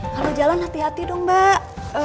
kalau jalan hati hati dong mbak